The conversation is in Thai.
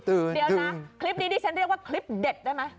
เดี๋ยวนะคลิปนี้ดิฉันเรียกว่าคลิปเด็ดได้ไหม